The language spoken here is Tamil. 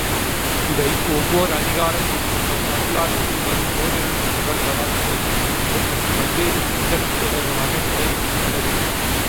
இவை ஒவ்வோரதிகாரத்தையும் அவ்வதிகாரத்துள் வரும் ஒன்றிரண்டு குறள்களால் தொடங்கிப் பின்பு பல்வேறு சிந்தனைத் தொடர்களாகக் கிளைவிட்டுப் படர்கின்றன.